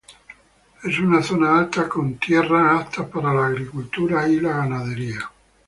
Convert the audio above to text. Es una zona alta con tierras aptas para la agricultura y la ganadería.